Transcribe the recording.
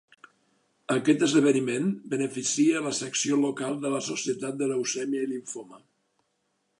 Aquest esdeveniment beneficia la secció local de la Societat de Leucèmia i Limfoma.